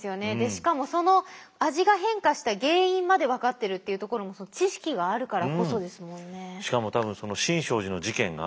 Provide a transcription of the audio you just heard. しかもその味が変化した原因まで分かってるっていうところも知識があるからこそですもんね。